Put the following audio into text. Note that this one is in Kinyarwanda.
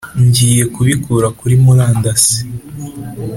ngiye kubikura kuri murandasi